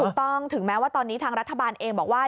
ถูกต้องถึงแม้ว่าตอนนี้ทางรัฐบาลเองบอกว่า